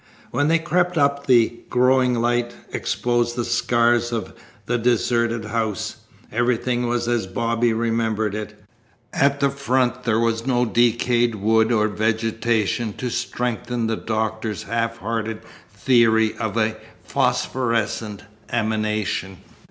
When they crept up the growing light exposed the scars of the deserted house. Everything was as Bobby remembered it. At the front there was no decayed wood or vegetation to strengthen the doctor's half hearted theory of a phosphorescent emanation.